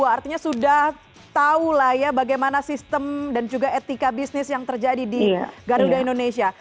artinya sudah tahu lah ya bagaimana sistem dan juga etika bisnis yang terjadi di garuda indonesia